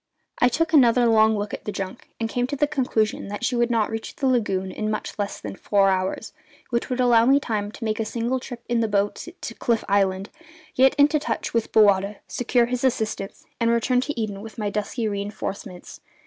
I took another long look at the junk, and came to the conclusion that she could not reach the lagoon in much less than four hours, which would allow me time to make a single trip in the boat to Cliff Island, get into touch with Bowata, secure his assistance, and return to Eden with my dusky reinforcements.